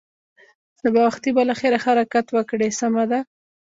سبا وختي به له خیره حرکت وکړې، سمه ده.